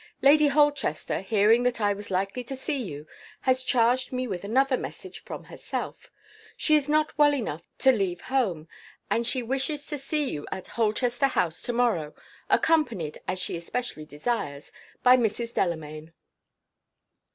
Lady Holchester, hearing that I was likely to see you, has charged me with another message, from herself. She is not well enough to leave home; and she wishes to see you at Holchester House to morrow accompanied (as she specially desires) by Mrs. Delamayn."